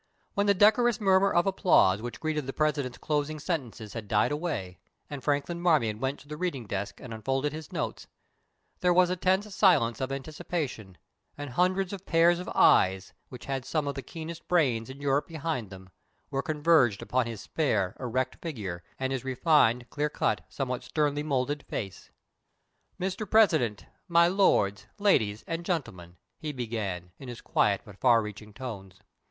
When the decorous murmur of applause which greeted the President's closing sentences had died away, and Franklin Marmion went to the reading desk and unfolded his notes, there was a tense silence of anticipation, and hundreds of pairs of eyes, which had some of the keenest brains in Europe behind them, were converged upon his spare, erect figure and his refined, clear cut, somewhat sternly moulded face. "Mr President, my lords, ladies, and gentlemen," he began, in his quiet, but far reaching tones.